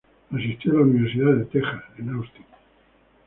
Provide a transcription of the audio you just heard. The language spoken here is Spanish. Asistió a la Universidad de Texas en Austin.